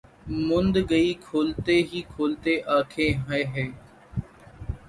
مُند گئیں کھولتے ہی کھولتے آنکھیں ہَے ہَے!